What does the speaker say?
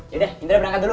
yaudah indra berangkat dulu